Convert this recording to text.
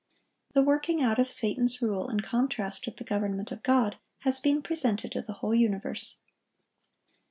The working out of Satan's rule in contrast with the government of God, has been presented to the whole universe.